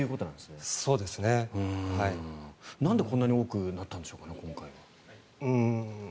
なんで今回はこんなに多くなったんでしょう？